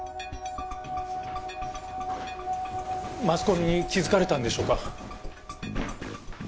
マスコミに気づかれたんでしょうか？